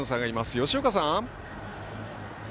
吉岡さん！